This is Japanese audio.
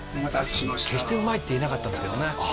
決してうまいって言えなかったんですけどねああ